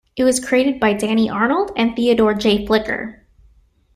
It was created by Danny Arnold and Theodore J. Flicker.